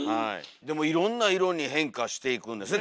でもいろんな色に変化していくんですね